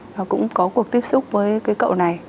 và cũng có cuộc tiếp xúc với cái cậu này